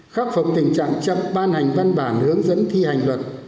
khắc phục tình trạng chậm ban hành văn bản hướng dẫn thi hành luật